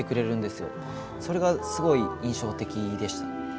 それがすごい印象的でした。